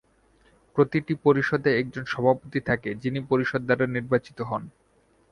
প্রতিটি পরিষদে একজন সভাপতি থাকে, যিনি পরিষদ দ্বারা নির্বাচিত হন।